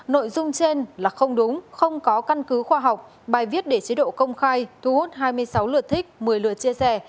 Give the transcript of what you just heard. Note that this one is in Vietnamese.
nội dung trên là không đúng không có căn cứ khoa học bài viết để chế độ công khai thu hút hai mươi sáu lượt thích một mươi lượt chia sẻ